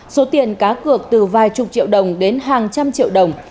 số tiền cá cược từ vài chục triệu đồng đến hàng trăm triệu đồng